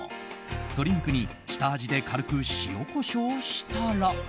鶏肉に下味で軽く塩、コショウしたら。